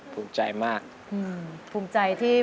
ภูมิใจครับภูมิใจมาก